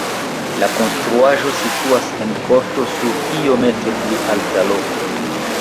La konstruaĵo situas en korto sur iomete pli alta loko.